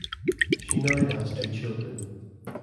She now has two children.